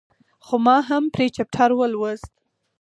خو ما هم پرې چپټر ولوست.